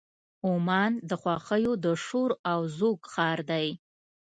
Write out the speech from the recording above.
عمان د خوښیو د شور او زوږ ښار دی.